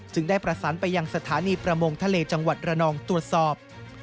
ได้ประสานไปยังสถานีประมงทะเลจังหวัดระนองตรวจสอบ